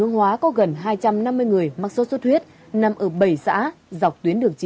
năm năm mươi người mắc số xuất huyết nằm ở bảy xã dọc tuyến đường chín